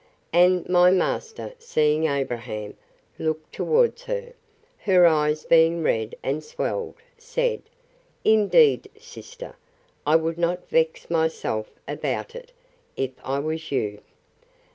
And my master, seeing Abraham look towards her, her eyes being red and swelled, said, Indeed, sister, I would not vex myself about it, if I was you.